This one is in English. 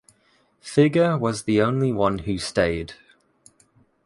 Figure was the only one who stayed.